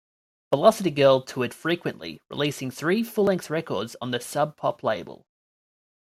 Velocity Girl toured frequently, releasing three full-length recordings on the Sub Pop label.